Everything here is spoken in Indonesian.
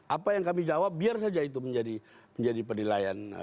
apa yang kami jawab biar saja itu menjadi penilaian